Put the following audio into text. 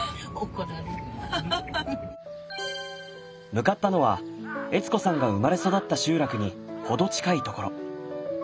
向かったのは悦子さんが生まれ育った集落に程近いところ。